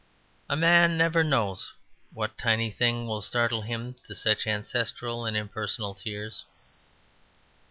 A man never knows what tiny thing will startle him to such ancestral and impersonal tears.